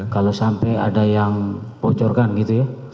kalau sampai ada yang bocorkan gitu ya